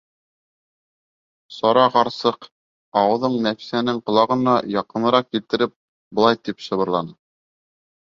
Сара ҡарсыҡ, ауыҙын Нәфисәнең ҡолағына яҡыныраҡ килтереп, былай тип шыбырланы: